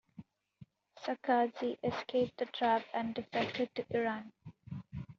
Saakadze escaped the trap and defected to Iran.